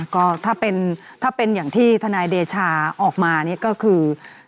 ก็ถ้าเป็นอย่างที่ทนายเดชาออกมานี่ก็คือ